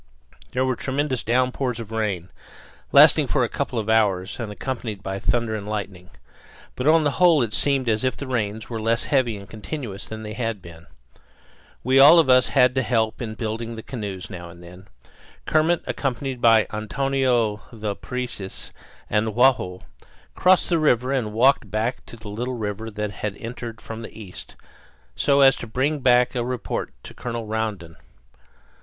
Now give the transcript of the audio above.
There were tremendous downpours of rain, lasting for a couple of hours and accompanied by thunder and lightning. But on the whole it seemed as if the rains were less heavy and continuous than they had been. We all of us had to help in building the canoes now and then. Kermit, accompanied by Antonio the Parecis and Joao, crossed the river and walked back to the little river that had entered from the east, so as to bring back a report of it to Colonel Rondon.